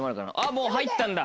もう入ったんだ。